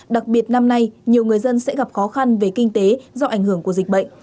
đặc biệt năm nay nhiều người dân sẽ gặp khó khăn về kinh tế do ảnh hưởng của dịch bệnh